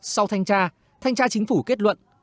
sau thanh tra thanh tra chính phủ kết luận